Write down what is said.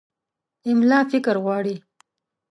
املا فکر غواړي.